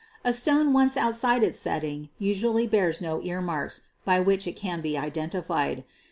A stone once outside its setting usually bears no 11 earmarks" by which it can be identified.